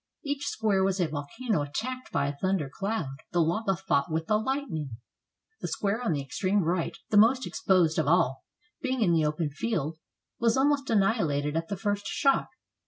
Each square was a volcano attacked by a thunder cloud; the lava fought with the lightning. The square, on the extreme right, the most exposed of all, being in the open field, was almost annihilated at the first shock.